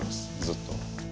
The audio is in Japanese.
ずっと。